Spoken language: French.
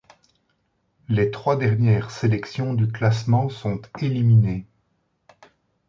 Les trois dernières sélections du classement sont éliminées.